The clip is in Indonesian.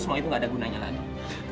sekarang kamu tanya sama aku